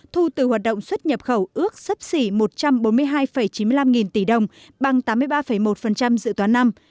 thu từ hoạt động xuất nhập khẩu ước sấp xỉ một trăm bốn mươi hai chín mươi năm nghìn tỷ đồng bằng tám mươi ba một dự toán năm